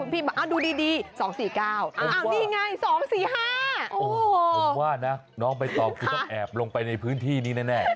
ผมว่าน่ะน้องไปต่อกูต้องแอบลงไปในพื้นที่นี้แน่